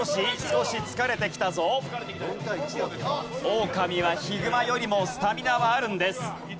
オオカミはヒグマよりもスタミナはあるんです。